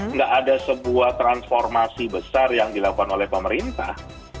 nggak ada sebuah transformasi besar yang dilakukan oleh pemerintah